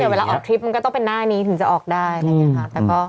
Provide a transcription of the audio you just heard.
ใช่เพราะว่าเวลาออกทริปมันก็ต้องเป็นหน้านี้ถึงจะออกได้นะครับ